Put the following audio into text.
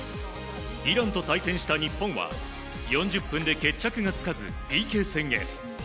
イランと対戦した日本は４０分で決着がつかずＰＫ戦へ。